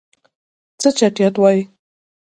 څه چټياټ وايي.